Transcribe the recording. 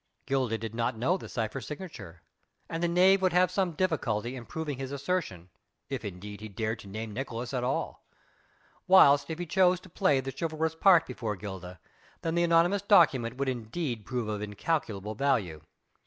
Gilda did not know the cypher signature, and the knave would have some difficulty in proving his assertion, if indeed, he dared to name Nicolaes at all: whilst if he chose to play the chivalrous part before Gilda, then the anonymous document would indeed prove of incalculable value.